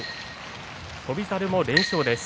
翔猿も連勝です。